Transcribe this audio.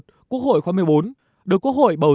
được quốc hội bầu giữ trung bướng